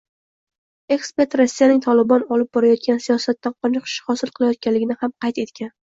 Ekspert Rossiyaning “Tolibon” olib borayotgan siyosatdan qoniqish hosil qilayotganligini ham qayd etgan